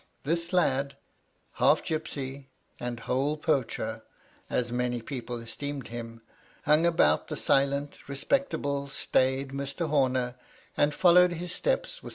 This lad, half gipsy and whole poacher, as many people esteemed him, hung about the silent, re spectable, staid Mr. Homer, and followed his steps with MY LADY LUDLOW.